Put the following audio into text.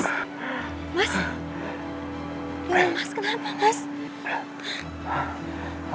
mas kenapa mas